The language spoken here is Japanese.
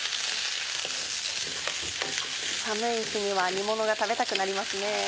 寒い日には煮ものが食べたくなりますね。